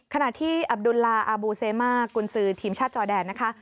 ขณะที่อับดุลลาอาบูเซมากุญซือทีมชาติจอแดนนะคะ